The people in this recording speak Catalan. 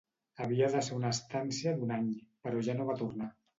Havia de ser una estància d'un any, però ja no va tornar.